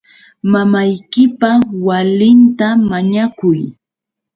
Mamaykipa walinta mañakuy.